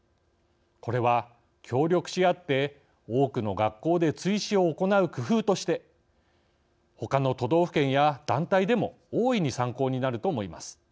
これは、協力しあって多くの学校で追試を行う工夫としてほかの都道府県や団体でも大いに参考になると思います。